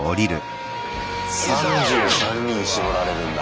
３３人に絞られるんだ。